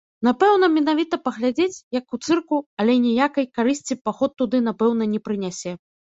Напэўна, менавіта паглядзець, як у цырку, але ніякай карысці паход туды, напэўна, не прынясе.